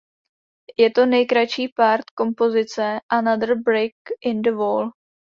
Je to nejkratší „Part“ kompozice „Another Brick in the Wall“.